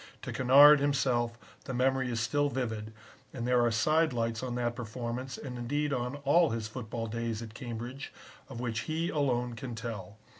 To Kennard himself the memory is still vivid, and there are side lights on that performance and indeed on all his football days at Cambridge, of which he alone can tell.